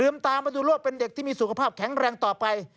ตามมาดูรวบเป็นเด็กที่มีสุขภาพแข็งแรงต่อไป